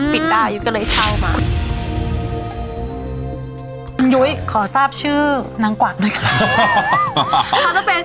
ปิดได้ยุ้ยก็เลยเช่ามายุ้ยขอทราบชื่อนางกวักด้วยค่ะเขาจะเป็น